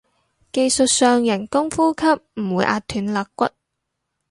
技術上人工呼吸唔會壓斷肋骨